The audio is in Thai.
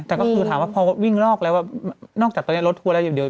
แต่ก็คือถามว่าพอวิ่งนอกแล้วนอกจากตอนนี้รถทัวร์แล้วอย่างเดียว